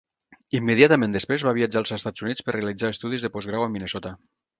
Immediatament després va viatjar als Estats Units per realitzar estudis de postgrau a Minnesota.